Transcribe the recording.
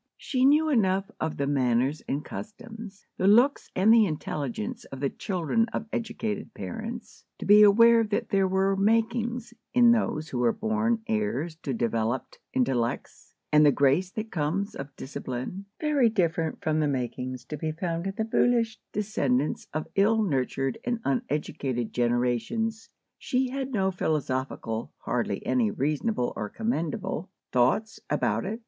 She knew enough of the manners and customs, the looks and the intelligence of the children of educated parents, to be aware that there were "makings" in those who were born heirs to developed intellects, and the grace that comes of discipline, very different from the "makings" to be found in the "voolish" descendants of ill nurtured and uneducated generations. She had no philosophical—hardly any reasonable or commendable—thoughts about it.